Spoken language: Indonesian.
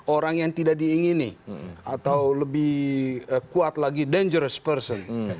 orang yang tidak diingini atau lebih kuat lagi dangerous person